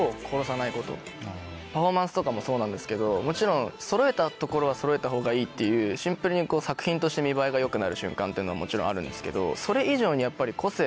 パフォーマンスとかもそうなんですけどもちろんそろえたところはそろえたほうがいいっていうシンプルに作品として見栄えが良くなる瞬間っていうのはもちろんあるんですけどそれ以上にやっぱり。